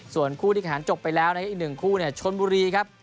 ส่วนคู่ที่ขนาดจบไปแล้วนะครับอีก๑คู่ช้นบุรีครับ